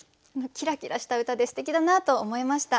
キラキラした歌ですてきだなと思いました。